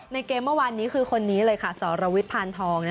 เกมเมื่อวานนี้คือคนนี้เลยค่ะสรวิทย์พานทอง